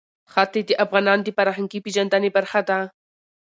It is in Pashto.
ښتې د افغانانو د فرهنګي پیژندنې برخه ده.